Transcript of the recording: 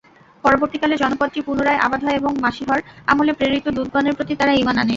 পরবর্তীকালে জনপদটি পুনরায় আবাদ হয় এবং মাসীহর আমলে প্রেরিত দূতগণের প্রতি তারা ঈমান আনে।